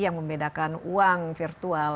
yang membedakan uang virtual